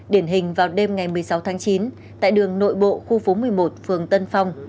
điển hình vào đêm ngày một mươi sáu tháng chín tại đường nội bộ khu phố một mươi một phường tân phong